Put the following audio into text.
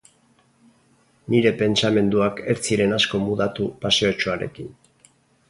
Nire pentsamenduak ez ziren asko mudatu paseotxoarekin.